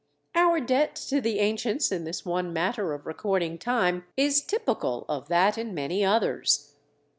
Our debt to the ancients in this one matter of recording time is typical of that in many others.